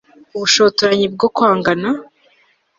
Ubushotoranyi bwo kwangana